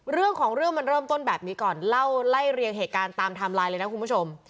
เรื่องของเรื่องมันเริ่มต้นแบบนี้ก่อนเล่าไล่เรียงเหตุการณ์ตามไทม์ไลน์เลยนะคุณผู้ชม